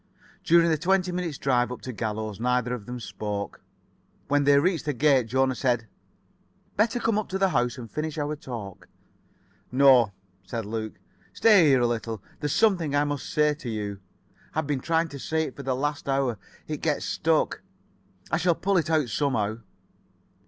During the twenty minutes' drive up to Gallows neither of them spoke. When they reached the gate, Jona said: "Better come up to the house and finish our talk." "No," said Luke; "stay here a little. There's something I must say to you. I've been trying to say it for the last hour. It gets stuck. I shall pull it out somehow."